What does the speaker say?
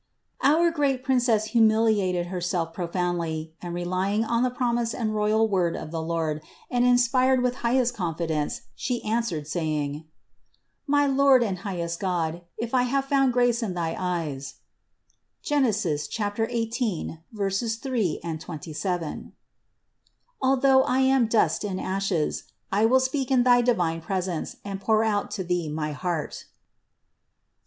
Our great Princess humiliated Herself profoundly and relying on the promise and royal word of the Lord, and inspired with highest confidence, She answered saying: "My Lord and highest God, if I have found grace in thy eyes (Gen. 18, 3, 27), although I am dust and ashes, I will speak in thy divine presence and pour out to Thee my heart" (Ps.